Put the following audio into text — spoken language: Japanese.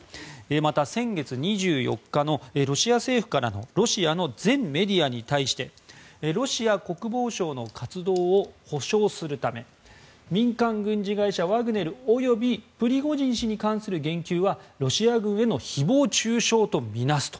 また、先月２４日のロシア政府からのロシアの全メディアに対してロシア国防省の活動を保障するため民間軍事会社ワグネル及びプリゴジン氏に関する言及はロシア軍への誹謗・中傷と見なすと。